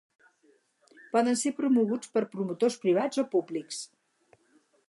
Poden ser promoguts per promotors privats o públics.